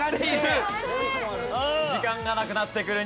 時間がなくなってくる。